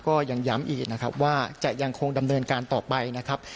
ก็ยังย้ำอีกนะครับว่าจะยังคงดำเนินการต่อไปนะครับ